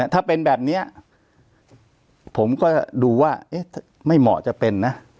ถ้าเป็นแบบนี้ผมก็ดูว่าไม่เหมาะจะเป็นนะ